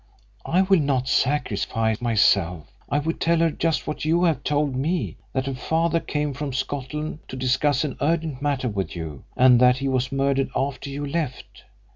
"I will not sacrifice myself. I would tell her just what you have told me that her father came from Scotland to discuss an urgent matter with you, and that he was murdered after you left.